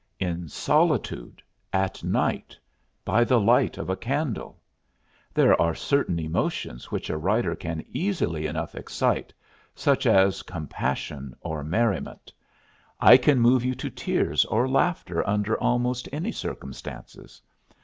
"In solitude at night by the light of a candle. There are certain emotions which a writer can easily enough excite such as compassion or merriment. I can move you to tears or laughter under almost any circumstances.